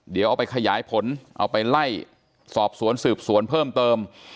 เดี๋ยวเอาไปขยายผลเอาไปไล่สอบสวนสืบสวนเพิ่มเติม